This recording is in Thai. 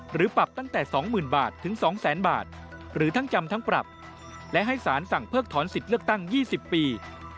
หรือปรับตั้งแต่๒๐๐๐บาทถึง๒๐๐๐บาทหรือทั้งจำทั้งปรับและให้สารสั่งเพิกถอนสิทธิ์เลือกตั้ง๒๐ปี